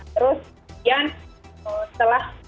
terus kemudian setelah